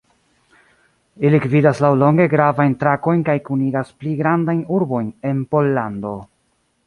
Ili gvidas laŭlonge gravajn trakojn kaj kunigas pli grandajn urbojn en Pollando.